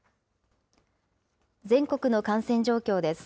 全国の感染状況です。